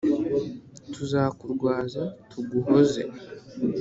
tuzakurwaza tuguhoze